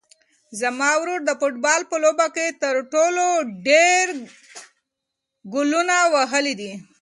زما ورور د فوټبال په لوبه کې تر ټولو ډېر ګولونه وهلي دي.